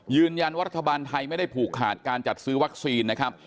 รัฐบาลไทยไม่ได้ผูกขาดการจัดซื้อวัคซีนนะครับ